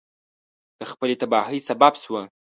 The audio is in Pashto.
د خپلې تباهی سبب سوه.